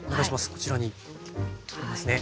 こちらにありますね。